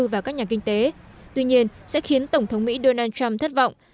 và các nhà kinh tế tuy nhiên sẽ khiến tổng thống mỹ donald trump thất vọng